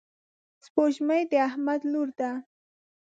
سپوږمۍ د احمد لور ده.